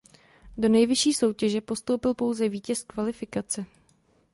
Do nejvyšší soutěže postoupil pouze vítěz kvalifikace.